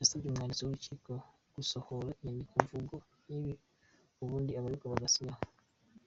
Yasabye umwanditsi w’urukiko gusohora inyandiko mvugo y’ibi ubundi abaregwa bagasinyaho.